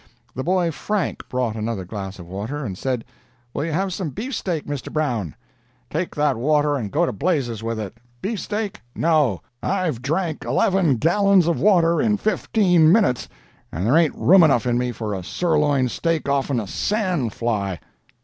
The boy Frank brought another glass of water, and said, "Will you have some beefsteak, Mr. Brown?" "Take that water and go to blazes with it! Beefsteak! no! I've drank eleven gallons of water in fifteen minutes, and there ain't room enough in me for a sirloin steak off'm a sand fly!"